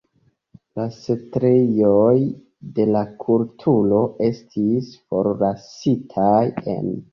La setlejoj de la kulturo estis forlasitaj en.